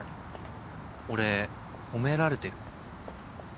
俺褒められてる？